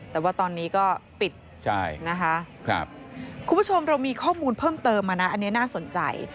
แต่ว่าตอนนี้ก็ปิดนะคะคุณผู้ชมเรามีข้อมูลเพิ่มเติมมานะอันนี้น่าสนใจ